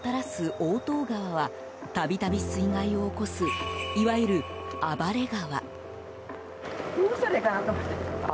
大塔川は度々、水害を起こすいわゆる暴れ川。